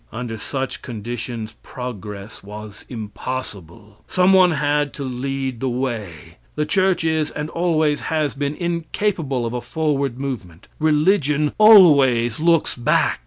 Under such conditions progress was impossible. Some one had to lead the way. The church is and always has been, incapable of a forward movement. Religion always looks back.